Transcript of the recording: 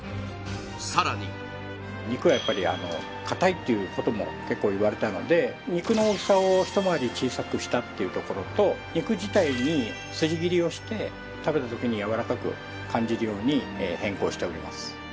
さらに肉がやっぱり硬いっていうことも結構言われたので肉の大きさを一回り小さくしたっていうところと肉自体に筋切りをして食べた時にやわらかく感じるように変更しております